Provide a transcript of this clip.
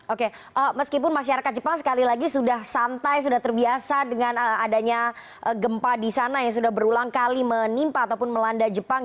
oke meskipun masyarakat jepang sekali lagi sudah santai sudah terbiasa dengan adanya gempa di sana yang sudah berulang kali menimpa ataupun melanda jepang